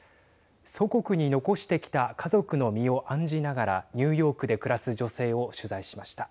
祖国に残してきた家族の身を案じながらニューヨークで暮らす女性を取材しました。